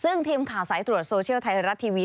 ซึ่งทีมข่าวสายตรวจโซเชียลไทยรัฐทีวี